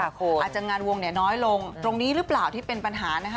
อาจจะงานวงเนี่ยน้อยลงตรงนี้หรือเปล่าที่เป็นปัญหานะคะ